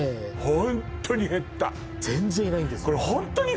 ホントに減った全然いないんですよ